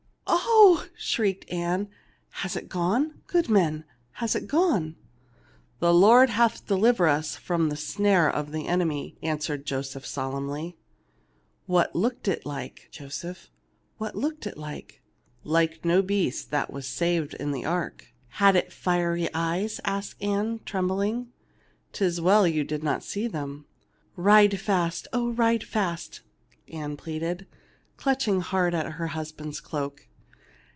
"Oh V 9 shrieked Ann, "has it gone ? Good man, has it gone ?"" The Lord hath delivered us from the snare of the enemy," answered Joseph, solemnly. "What looked it like, Joseph, what looked it like ?" 227 THE LITTLE MAID AT THE DOOR " Like no beast that was saved in the ark. '" "Had it fiery eyes ?" asked Ann, trembling. " 'Tis well you did not see them." "Ride fast! oh, ride fast!" Ann pleaded, clutching hard at her husband's cloak.